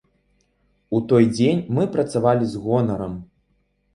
У той дзень мы працавалі з гонарам.